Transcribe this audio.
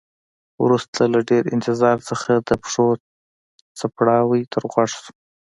وروسته له ډیر انتظار نه د پښو څپړاوی تر غوږ شو.